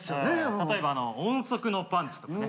例えば音速のパンチとかね。